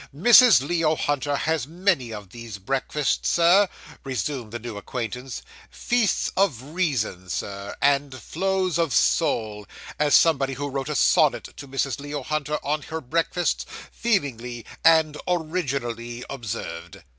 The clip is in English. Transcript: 'Mrs. Leo Hunter has many of these breakfasts, Sir,' resumed the new acquaintance '"feasts of reason," sir, "and flows of soul," as somebody who wrote a sonnet to Mrs. Leo Hunter on her breakfasts, feelingly and originally observed.